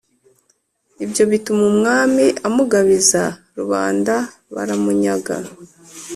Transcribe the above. ibyo bituma umwami amugabiza rubanda baramunyaga,